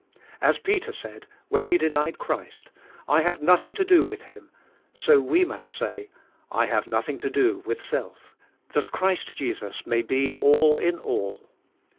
As Peter said, when he denied Christ,"! have nothing to do with him," so we must say," I have nothing to do with self," that Christ Jesus may be all in all.